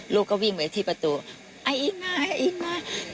ลูกก็วิ่งไปที่ประตูไอ้อินมาไอ้อินมา